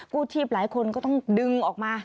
ผู้ชีพหลายคนก็ต้องดึงออกมา